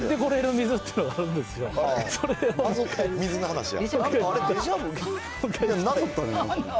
水の話や。